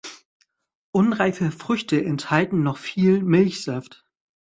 Unreife Früchte enthalten noch viel Milchsaft.